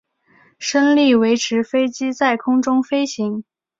升力维持飞机在空中飞行。